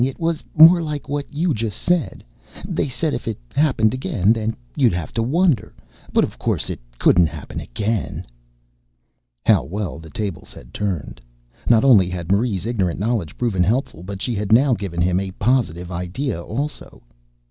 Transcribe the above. It was more like what you just said. They said if it happened again, then you'd have to wonder. But of course it couldn't happen again." How well the tables had turned! Not only had Marie's ignorant knowledge proven helpful but she had now given him a positive idea also.